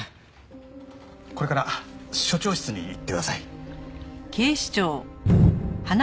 これから署長室に行ってください。